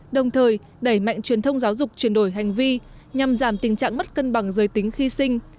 đồng thời đẩy mạnh truyền thông giáo dục chuyển đổi hành vi nhằm giảm tình trạng mất cân bằng giới tính khi sinh